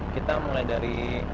kita mulai dari